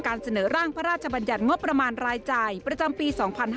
เสนอร่างพระราชบัญญัติงบประมาณรายจ่ายประจำปี๒๕๕๙